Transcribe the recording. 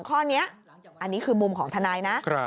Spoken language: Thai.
ข้อนี้อันนี้คือมุมของทนายนะ